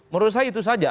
menurut saya itu saja